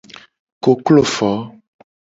Koklo fo.